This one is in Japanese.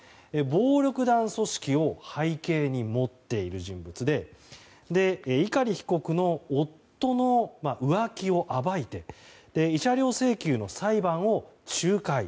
暴力団組織を背景に持っている人物で碇被告の夫の浮気を暴いて慰謝料請求の裁判を仲介。